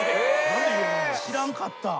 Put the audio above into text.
知らんかった。